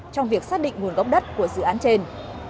trong việc xác định nguồn gốc đất của dự án trên